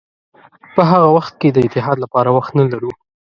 په هغه وخت کې د اتحاد لپاره وخت نه لرو.